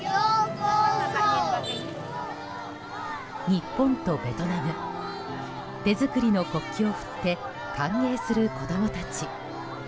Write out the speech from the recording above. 日本とベトナム手作りの国旗を振って歓迎する子供たち。